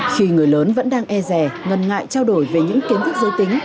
khi người lớn vẫn đang e rè ngần ngại trao đổi về những kiến thức giới tính